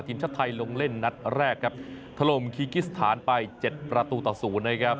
ทีมชาติไทยลงเล่นนัดแรกครับทะลมคีกิสฐานไป๗ประตูต่อสู่นะครับ